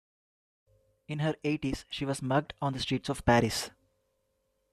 In her eighties she was mugged on the streets of Paris.